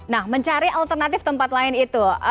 nah mencari alternatif tempat lain itu